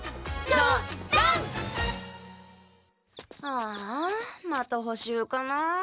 ああまたほしゅうかな。